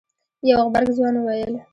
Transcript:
يو غبرګ ځوان وويل.